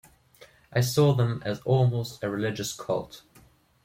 I saw them as almost a religious cult.